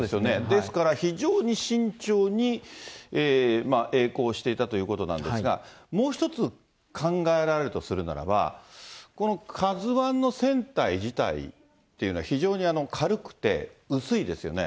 ですから非常に慎重にえい航していたということなんですが、もう一つ考えられるとするならば、このＫＡＺＵＩの船体自体というのは、非常に軽くて薄いですよね。